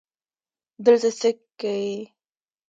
دلته څه که یې